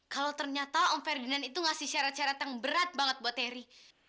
kalau ternyata om ferdinand itu ngasih syarat syarat yang berat banget buat terry